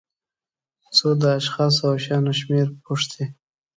څو د اشخاصو او شیانو شمېر پوښتي.